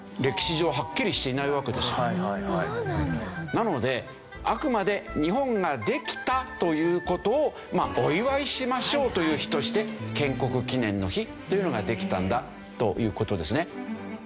なのであくまで日本ができたという事をお祝いしましょうという日として建国記念の日というのができたんだという事ですね。